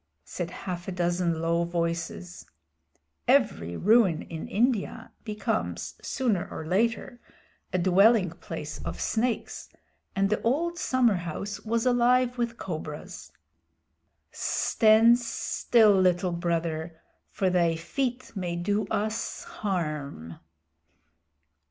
said half a dozen low voices (every ruin in India becomes sooner or later a dwelling place of snakes, and the old summerhouse was alive with cobras). "Stand still, Little Brother, for thy feet may do us harm."